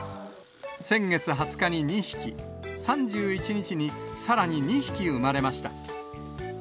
先月２０日に２匹、３１日にさらに２匹産まれました。